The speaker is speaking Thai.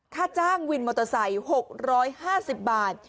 ค่าจ้างวินมอเตอร์ไซค์๖๕๐บาท